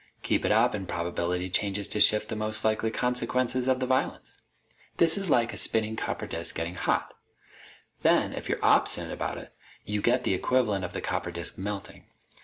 Keep it up, and probability changes to shift the most likely consequences of the violence. This is like a spinning copper disk getting hot. Then, if you're obstinate about it, you get the equivalent of the copper disk melting.